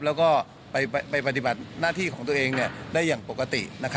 แล้วก็ไปปฏิบัติหน้าที่ของตัวเองได้อย่างปกติ